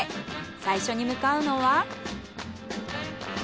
最初に向かうのは。